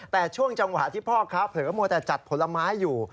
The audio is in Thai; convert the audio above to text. แต่ช่วงจังหวะที่พ่อค้าเผลอมัวแต่จัดผลไม้อยู่